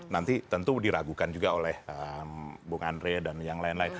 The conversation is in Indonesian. nanti tentu diragukan juga oleh bung andre dan yang lain lain